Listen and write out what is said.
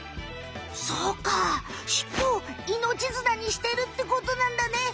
そっかしっぽを命綱にしてるってことなんだね。